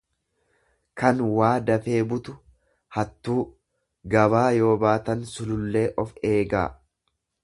kan waa dafee butu, hattuu; Gabaa yoo baatan sulullee of eegaa.